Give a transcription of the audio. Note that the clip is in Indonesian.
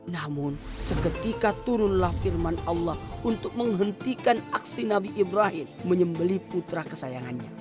namun seketika turunlah firman allah untuk menghentikan aksi nabi ibrahim menyembeli putra kesayangannya